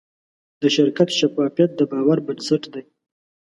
د شرکت شفافیت د باور بنسټ دی.